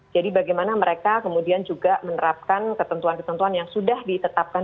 jadi bagaimana mereka kemudian juga menerapkan ketentuan ketentuan yang sudah ditetapkan